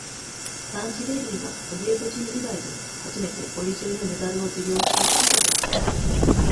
ランチベリーはソビエト人以外で初めてボリショイのメダルを受領した指揮者であった。